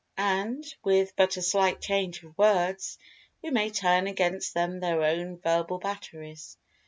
And, with but a slight change of words, we may turn against them their own verbal batteries.